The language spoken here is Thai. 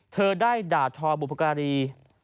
เธอได้ด่าทอบุพการี